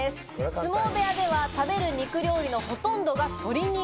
相撲部屋では食べる肉料理のほとんどが鶏肉。